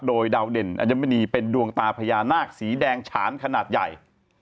โดยดาวเด่นอัญมณีเป็นดวงตาพญานาคสีแดงฉานขนาดใหญ่